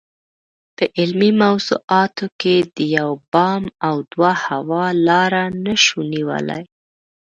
په علمي موضوعاتو کې د یو بام او دوه هوا لاره نشو نیولای.